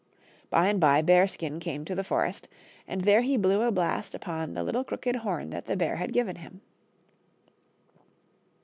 By and by Bearskin came to the forest, and there he blew a blast upon the little crooked horn that the bear had given him.